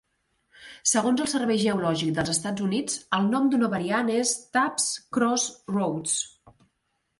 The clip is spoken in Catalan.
Segons el Servei Geològic dels Estats Units, el nom d'una variant és "Tubbs Cross Roads".